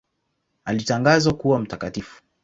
Alitangazwa kuwa mtakatifu.